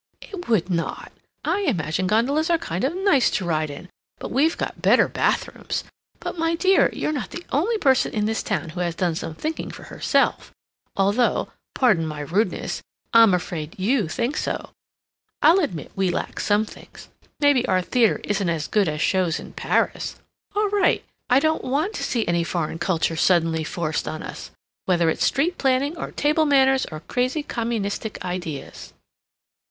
"It would not! I imagine gondolas are kind of nice to ride in, but we've got better bath rooms! But My dear, you're not the only person in this town who has done some thinking for herself, although (pardon my rudeness) I'm afraid you think so. I'll admit we lack some things. Maybe our theater isn't as good as shows in Paris. All right! I don't want to see any foreign culture suddenly forced on us whether it's street planning or table manners or crazy communistic ideas."